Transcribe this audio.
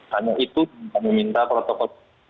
hanya itu kami minta protokol